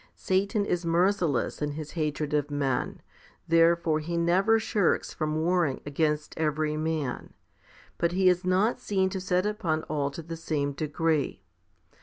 Satan is merciless in his hatred of men ; therefore he never shirks from warring against every man. But he is not seen to set upon all to the same degree.